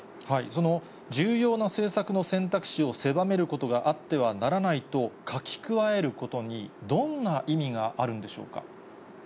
その重要な政策の選択肢を狭めることがあってはならないと書き加えることに、どんな意味があるんでしょうか。